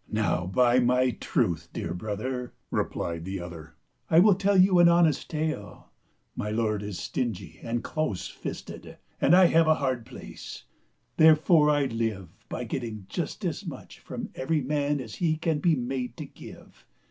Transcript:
" Now by my truth, dear brother," replied the other, " I will tell you an honest tale. My lord is stingy and close fisted, and I have a hard place. There 130 t^t ^x'xax'B 'tckk fore I live by getting just as much from every man as he can be made to give.